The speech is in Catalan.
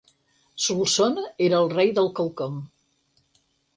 Solsona era el rei del quelcom.